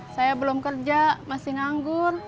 saya belum kerja masih nganggur